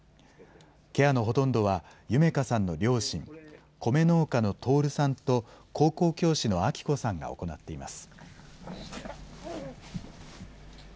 ケアのほとんどは、ゆめ佳さんの両親、コメ農家の亨さんと、高校教師の明子さんが行っています。